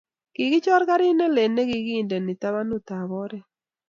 kikichor karit noto ne lel ne kokindene tabanutab oret